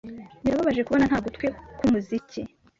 Birababaje kubona nta gutwi kwumuziki.